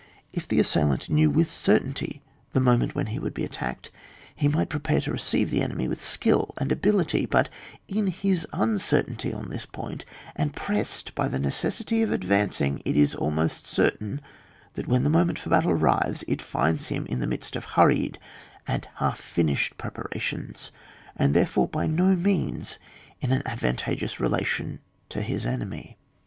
If the assailant knew with certainty the moment when he would be attacked, he might prepare to receive the enemy with skill and ability; but in his uncertainty on this point, and pressed by the necessity of advancing, it is almost certain that when the moment for battle arrives, it finds him in the midst of hurried and half finished preparations, and therefore by no means in an advantageous relation to his enemy.